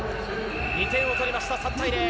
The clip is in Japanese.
２点を取りました、３対０。